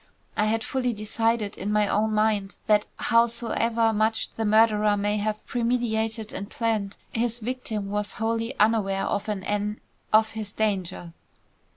I had fully decided in my own mind that howsoever much the murderer may have premeditated and planned, his victim was wholly unaware of an en of his danger."